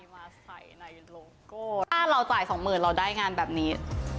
มาใส่ในโลโก้ถ้าเราจ่าย๒๐๐๐๐เราได้งานแบบนี้